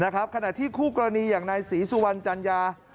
ขณะที่คู่กรณีอย่างนายศรีสุวรรณจัญญา